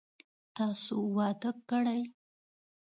تاسو واده کړئ ؟